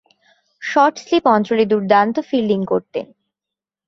Short slip অঞ্চলে দূর্দান্ত fielding করতেন।